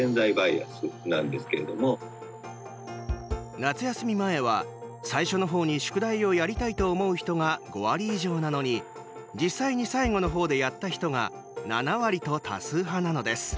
夏休み前は、最初の方に宿題をやりたいと思う人が５割以上なのに実際に最後の方でやった人が７割と、多数派なのです。